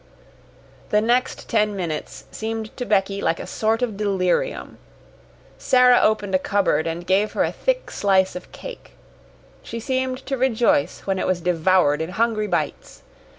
The next ten minutes seemed to Becky like a sort of delirium. Sara opened a cupboard, and gave her a thick slice of cake. She seemed to rejoice when it was devoured in hungry bites.